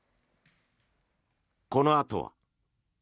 このあとは。